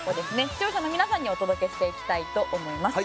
視聴者の皆さんにお届けしていきたいと思います。